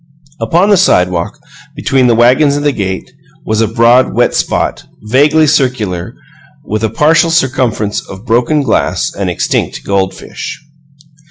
Upon the sidewalk, between the wagons and the gate, was a broad wet spot, vaguely circular, with a partial circumference of broken glass and extinct goldfish.